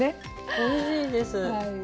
おいしいです。